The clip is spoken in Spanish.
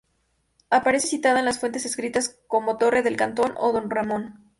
Aparece citada en las fuentes escritas como Torre del Cantón o de Don Ramón.